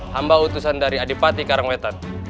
hamba utusan dari adipati karangwetan